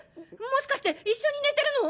もしかして一緒に寝てるの！？